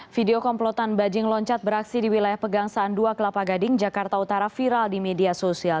video komplotan bajing loncat beraksi di wilayah pegangsaan dua kelapa gading jakarta utara viral di media sosial